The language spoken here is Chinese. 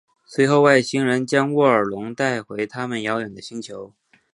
随后外星人将沃尔隆带回他们遥远的星球。